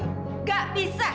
kamu pamerkan ke temen temen kamu